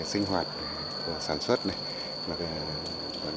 của sản xuất này